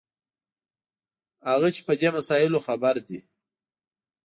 هغه چې په دې مسایلو خبر دي.